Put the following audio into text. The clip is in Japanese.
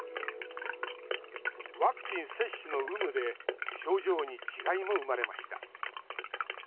ワクチン接種の有無で症状に違いも生まれました。